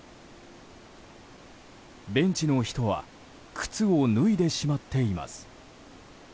ベンチの人は靴を脱いでしまっています。